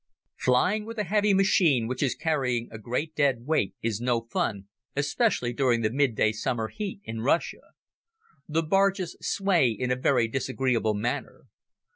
Flying with a heavy machine which is carrying a great dead weight is no fun, especially during the mid day summer heat in Russia. The barges sway in a very disagreeable manner.